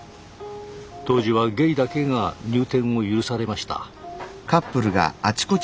当時はゲイだけが入店を許されました。